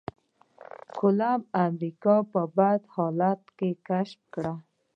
کولمب امريکا په بد حالاتو کې کشف کړه.